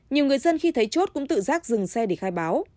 nhiều người dân khi thấy chốt cũng tự giác dừng xe để khai báo